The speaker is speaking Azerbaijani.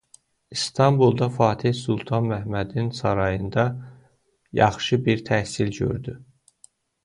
İstanbulda Fateh Sultan Mehmedin sarayında yaxşı bir təhsil gördü.